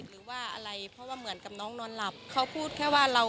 ชายเก่งกว่าเราอยู่แล้ว